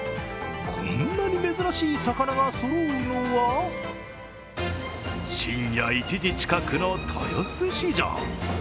こんなに珍しい魚がそろうのは深夜１時近くの豊洲市場。